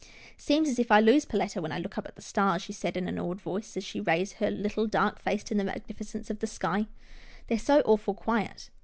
" Seems as if I lose Perletta when I look up at the stars," she said, in an awed voice, as she raised her little, dark face to the magnificence of the sky. " They're so awful quiet.